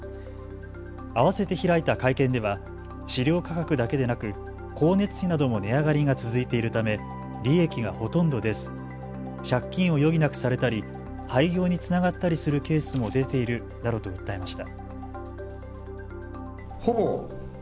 あわせて開いた会見では飼料価格だけでなく光熱費なども値上がりが続いているため利益がほとんど出ず借金を余儀なくされたり廃業につながったりするケースも出ているなどと訴えました。